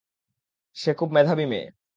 সে খুব মেধাবী মেয়ে।